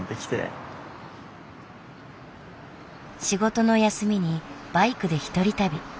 仕事の休みにバイクで一人旅。